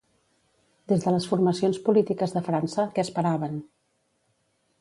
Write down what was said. Des de les formacions polítiques de França, què esperaven?